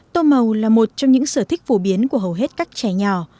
tô màu là một trong những sở thích phổ biến của hầu hết các trẻ nhỏ